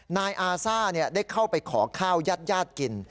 นายอาซ่าได้เข้าไปขอข้าวญาติกิน